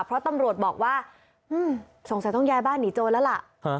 เพราะตำรวจบอกว่าสงสัยต้องย้ายบ้านหนีโจรแล้วล่ะ